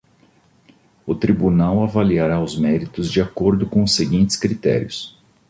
O Tribunal avaliará os méritos de acordo com os seguintes critérios.